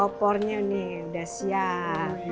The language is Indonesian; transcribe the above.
opornya nih udah siap